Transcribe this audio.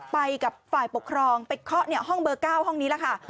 ไปกับฝ่ายปกครองไปเคาะห้องเบอร์๙ห้องนี้แล้วค่ะ